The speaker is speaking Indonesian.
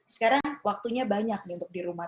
sekarang waktunya banyak nih untuk di rumah